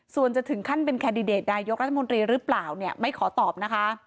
ส่วนจะถึงขั้นเป็นแคนดิเดตนายกรัฐมนตรีหรือเปล่าเนี่ยไม่ขอตอบนะคะ